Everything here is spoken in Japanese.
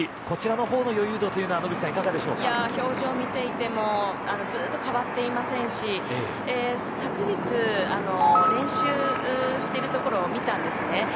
こちらのほうの余裕度というのは表情を見ていてもずっと変わっていませんし昨日、練習しているところを見たんですね。